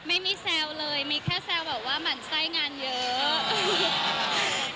แซวเลยมีแค่แซวแบบว่าหมั่นไส้งานเยอะ